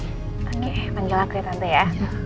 oke panggil aku ya tante ya